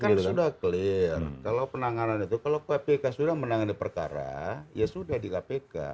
kan sudah clear kalau penanganan itu kalau kpk sudah menangani perkara ya sudah di kpk